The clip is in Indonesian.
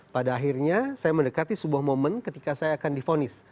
pada akhirnya saya mendekati sebuah momen ketika saya akan difonis